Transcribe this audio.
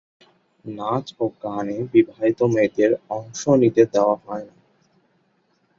নাচে ও গানে বিবাহিত মেয়েদের অংশ নিতে দেয়া হয়না।